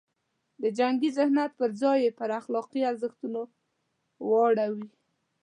د جنګي ذهنیت پر ځای یې پر اخلاقي ارزښتونو واړوي.